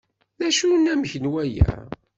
D acu-t unamek n waya?